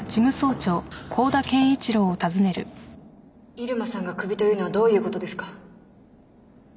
入間さんがクビというのはどういうことですか。